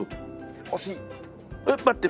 惜しい！